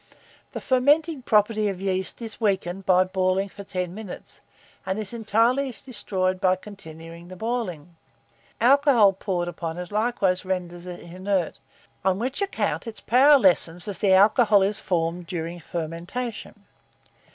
The fermenting property of yeast is weakened by boiling for ten minutes, and is entirely destroyed by continuing the boiling. Alcohol poured upon it likewise renders it inert; on which account its power lessens as the alcohol is formed during fermentation.